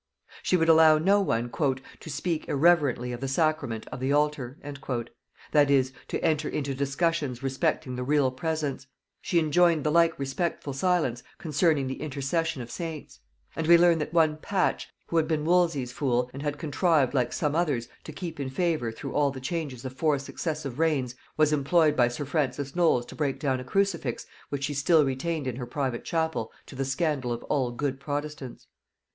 "] She would allow no one "to speak irreverently of the sacrament of the altar;" that is, to enter into discussions respecting the real presence; she enjoined the like respectful silence concerning the intercession of saints; and we learn that one Patch, who had been Wolsey's fool, and had contrived, like some others, to keep in favor through all the changes of four successive reigns, was employed by sir Francis Knolles to break down a crucifix which she still retained in her private chapel to the scandal of all good protestants.